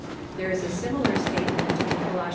There is a similar statement in Col. iii.